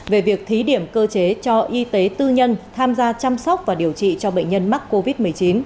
về việc thí điểm cơ chế cho y tế tư nhân tham gia chăm sóc và điều trị cho bệnh nhân mắc covid một mươi chín